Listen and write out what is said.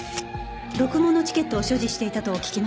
ろくもんのチケットを所持していたと聞きましたが。